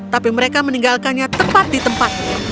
tapi mereka meninggalkannya tepat di tempatnya